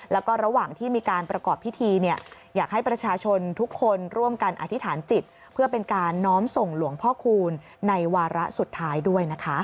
แล้วก็ระหว่างที่มีการประกอบพิธีอยากให้ประชาชนทุกคนร่วมกันอธิษฐานจิตเพื่อเป็นการน้อมส่งหลวงพ่อคูณในวาระสุดท้ายด้วยนะคะ